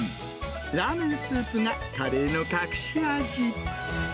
ラーメンスープがカレーの隠し味。